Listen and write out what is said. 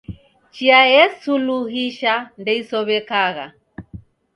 Chia yesuluhisha ndeisow'ekagha